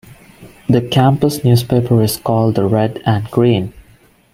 The campus newspaper is called the "Red and Green".